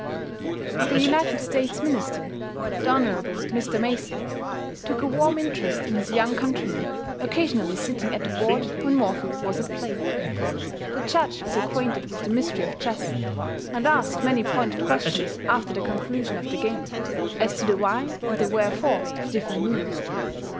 '" The United States minister, the Hon. Mr. Mason, took a warm interest in his young countryman, occasionally sitting at the board when Morphy was at play. The Judge is acquainted with the "Mystery of Chesse," and asked many pointed questions after the conclusion of the game, as to the why and the wherefore of different moves.